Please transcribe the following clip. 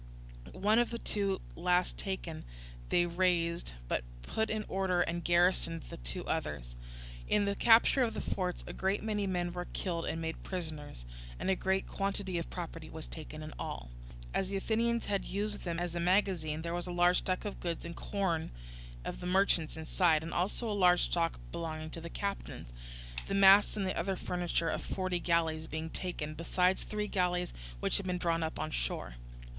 One of the two last taken they razed, but put in order and garrisoned the two others. In the capture of the forts a great many men were killed and made prisoners, and a great quantity of property was taken in all. As the Athenians had used them as a magazine, there was a large stock of goods and corn of the merchants inside, and also a large stock belonging to the captains; the masts and other furniture of forty galleys being taken, besides three galleys which had been drawn up on shore.